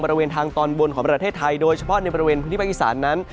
บริเวณทางตอนบนของประเทศไทยโดยเฉพาะในบริเวณพื้นที่ภาคอีสานนั้น